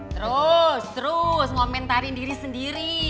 terus terus ngomentarin diri sendiri